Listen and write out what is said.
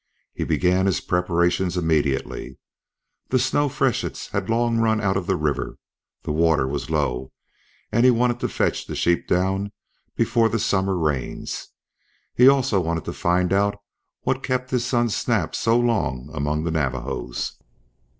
He began his preparations immediately. The snow freshets had long run out of the river, the water was low, and he wanted to fetch the sheep down before the summer rains. He also wanted to find out what kept his son Snap so long among the Navajos.